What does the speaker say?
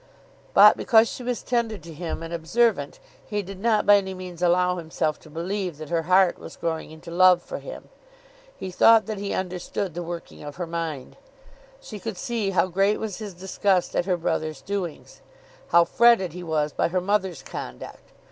But because she was tender to him and observant, he did not by any means allow himself to believe that her heart was growing into love for him. He thought that he understood the working of her mind. She could see how great was his disgust at her brother's doings; how fretted he was by her mother's conduct.